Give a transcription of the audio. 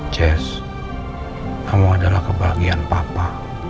jazz kamu adalah kebahagiaan papa